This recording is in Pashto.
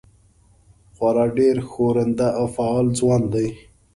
خورا ډېر ښورنده او فعال ځوان دی.